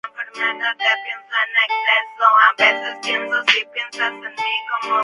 Los segmentos varían de igual manera, dependiendo del lugar que se visite.